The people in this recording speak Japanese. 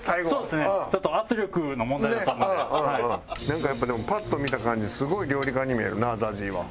なんかやっぱでもパッと見た感じすごい料理家に見えるなＺＡＺＹは。